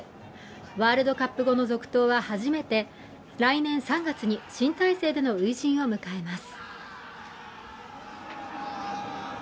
ワールドカップ後の続投は初めて来年３月に新体制での初陣を迎えます。